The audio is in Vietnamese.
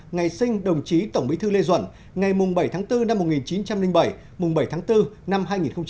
ngày sinh đồng chí tổng bí thư lê duẩn ngày bảy tháng bốn năm một nghìn chín trăm linh bảy bảy tháng bốn năm hai nghìn hai mươi